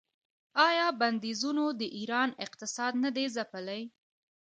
آیا بندیزونو د ایران اقتصاد نه دی ځپلی؟